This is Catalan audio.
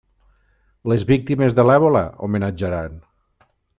Les víctimes de l'èbola, homenatjaran!